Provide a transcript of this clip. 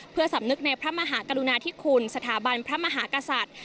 เพื่อสำนึกในพระมหากรุณาธิคุณสถาบันพระมหากษัตริย์